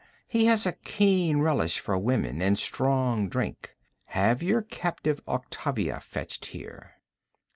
He has a keen relish for women and strong drink. Have your captive Octavia fetched here.'